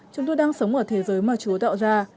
chúng tôi đang sống ở thế giới mà chúa tạo ra